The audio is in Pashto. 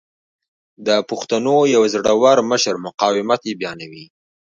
د پښتنو یو زړه ور مشر مقاومت یې بیانوي.